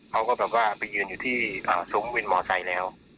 เขาก็แบบว่าไปยืนอยู่ที่ซุ้มวินมอไซค์แล้ว